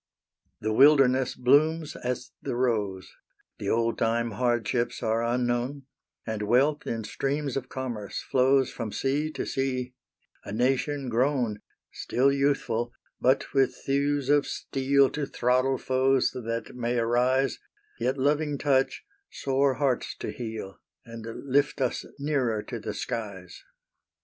The wilderness blooms as the rose; The old time hardships are unknown; And wealth in streams of commerce flows From sea to sea a nation grown Still youthful, but with thews of steel To throttle foes that may arise; Yet loving touch sore hearts to heal, And lift us nearer to the skies.